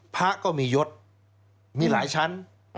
พระก็มียศมีหลายชั้น